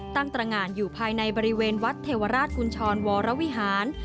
ตรงานอยู่ภายในบริเวณวัดเทวราชกุญชรวรวิหาร